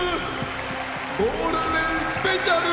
ゴールデンスペシャル！